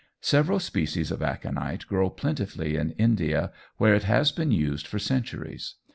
Several species of aconite grow plentifully in India, where it has been used for centuries.